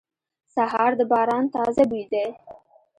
سهار د باران تازه بوی دی.